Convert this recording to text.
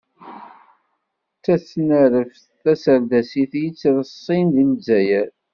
D tasnareft taserdasit i yettreṣṣin deg Lezzayer.